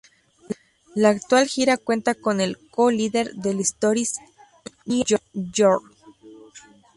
La actual gira cuenta con el co-líder de Stories, Ian Lloyd.